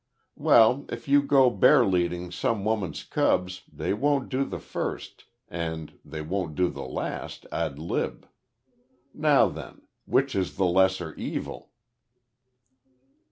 Well, if you go bearleading some woman's cubs they won't do the first, and they'll do the last ad lib. Now then. Which is the lesser evil?"